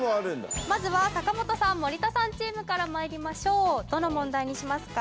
まずは坂本さん森田さんチームからまいりましょうどの問題にしますか？